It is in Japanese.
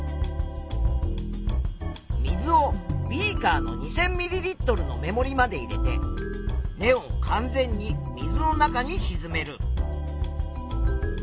水をビーカーの２，０００ミリリットルの目もりまで入れて根を完全に水の中にしずめる。